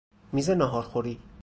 میز ناهار خوری